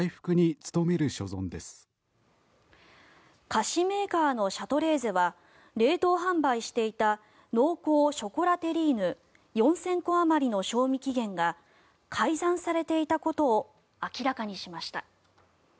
菓子メーカーのシャトレーゼは冷凍販売していた濃厚ショコラテリーヌ４０００個あまりの賞味期限が改ざんされていたことを明らかにしました。